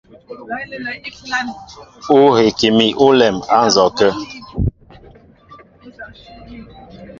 Ó heki mi ólɛm á nzɔkə̂.